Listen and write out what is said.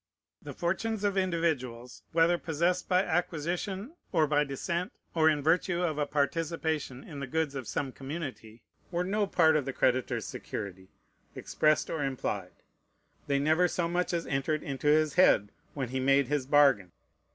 The fortunes of individuals, whether possessed by acquisition, or by descent, or in virtue of a participation in the goods of some community, were no part of the creditor's security, expressed or implied. They never so much as entered into his head, when he made his bargain.